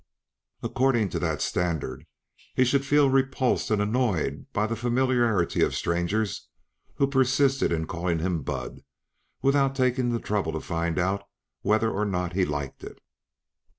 According to that standard, he should feel repulsed and annoyed by the familiarity of strangers who persisted in calling him "Bud" without taking the trouble to find out whether or not he liked it.